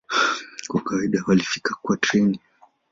Kwa kawaida walifika kwa treni.